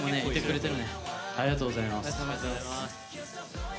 ありがとうございます。